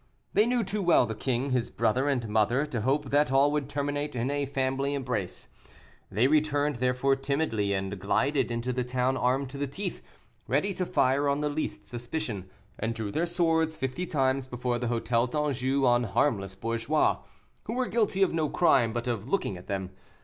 They knew too well the king, his brother, and mother, to hope that all would terminate in a family embrace. They returned, therefore, timidly, and glided into the town armed to the teeth, ready to fire on the least suspicion, and drew their swords fifty times before the Hôtel d'Anjou on harmless bourgeois, who were guilty of no crime but of looking at them.